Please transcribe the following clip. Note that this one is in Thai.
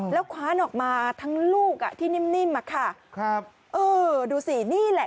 แล้วคว้านออกมาทั้งลูกอ่ะที่นิ่มอ่ะค่ะครับเออดูสินี่แหละ